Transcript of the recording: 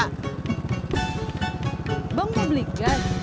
abang mau beli gas